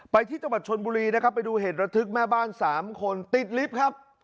ไปที่จังหวัดชนบุรีนะครับไปดูเหตุระทึกแม่บ้านสามคนติดลิฟต์ครับ